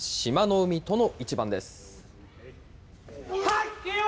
海との一番です。